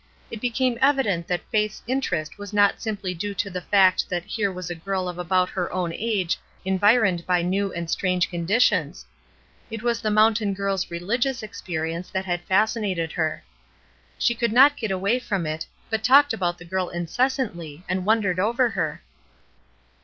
It became evident that Faith's interest was not simply due to the fact that here was a girl of about her own age environed by new and strange conditions; it was the moimtain girl's rehgious experience that had fascinated her. She could not get away from it, but talked about the girl incessantly, and wondered over her.